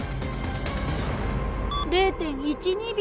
０．１２秒。